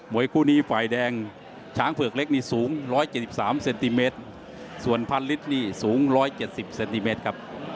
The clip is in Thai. วยคู่นี้ฝ่ายแดงช้างเผือกเล็กนี่สูง๑๗๓เซนติเมตรส่วนพันลิตรนี่สูง๑๗๐เซนติเมตรครับ